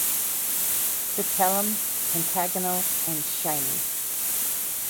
Scutellum pentagonal and shiny.